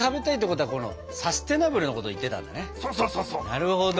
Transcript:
なるほど。